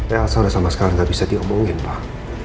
elsa udah sama sekali gak bisa diomongin pak